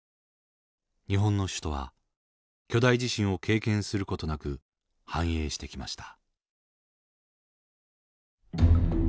日本の首都は巨大地震を経験する事なく繁栄してきました。